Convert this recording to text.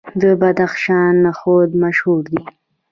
د بدخشان نخود مشهور دي.